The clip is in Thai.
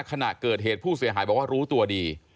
ขณะเกิดเหตุผู้เสียหายบอกว่ารู้ตัวดี